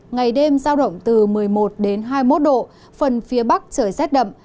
ngày đêm giao động từ một mươi một hai mươi một độ phần phía bắc trời rất đậm